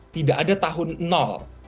tidak ada tahun nol